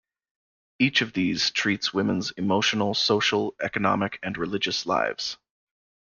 Each of these treats women's emotional, social, economic, and religious lives.